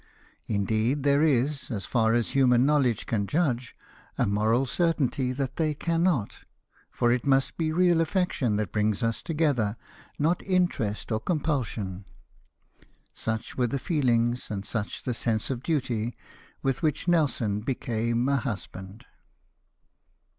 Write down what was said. Indeed there is, as far as human knowledge can judge, a moral certainty that they cannot, for it must be real affection that brings us together, not interest or com pulsion." Such were the feelings, and such the sense of duty, with which Nelson became a husband.